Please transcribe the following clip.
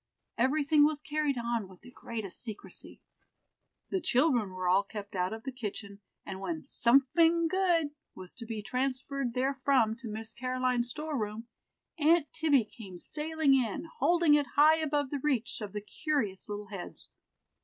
Everything was carried on with the greatest secrecy. The children were all kept out of the kitchen, and when "somefin' good" was to be transferred therefrom to Miss Car'line's store room, Aunt Tibby came sailing in, holding it high above the reach of the curious little heads.